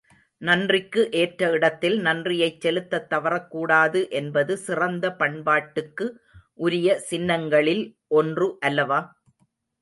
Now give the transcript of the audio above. நன்றிக்கு ஏற்ற இடத்தில் நன்றியைச் செலுத்தத் தவறக்கூடாது என்பது சிறந்த பண்பாட்டுக்கு உரிய சின்னங்களில் ஒன்று அல்லவா?